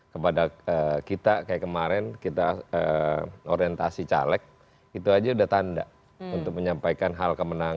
kepada kita kayak kemarin kita orientasi caleg itu aja udah tanda untuk menyampaikan hal kemenangan